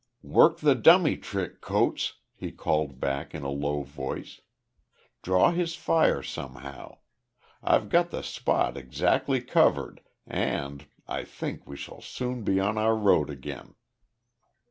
"Work the dummy trick, Coates," he called back, in a low voice. "Draw his fire somehow. I've got the spot exactly covered, and I think we shall soon be on our road again."